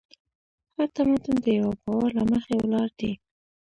هر تمدن د یوه باور له مخې ولاړ دی.